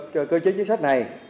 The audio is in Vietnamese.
cơ chế chính sách nào